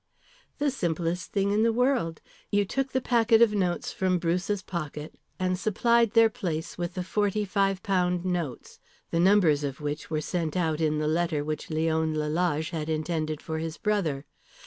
"The simplest thing in the world. You took the packet of notes from Bruce's pocket and supplied their place with the forty £5 notes, the numbers of which were sent out in the letter which Leon Lalage had intended for his brother.